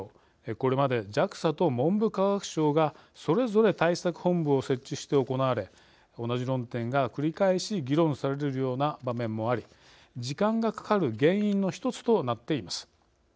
これまでＪＡＸＡと文部科学省がそれぞれ対策本部を設置して行われ同じ論点が、繰り返し議論されるような場面もあり時間がかかる原因の１つとなっています。